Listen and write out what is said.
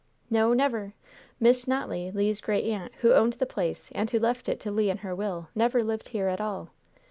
"No, never! Miss Notley, Le's great aunt, who owned the place and who left it to Le in her will, never lived here at all.